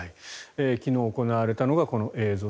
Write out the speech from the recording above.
昨日行われたのがこの映像。